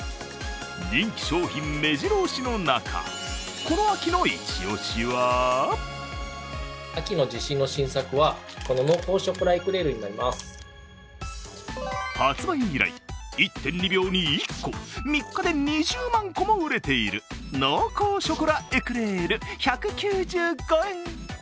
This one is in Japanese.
人気商品めじろ押しの中この秋の一押しは発売以来、１．２秒に１個、３日で２０万個も売れている濃厚ショコラエクレール、１９５円。